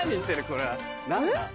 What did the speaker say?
これは何だ？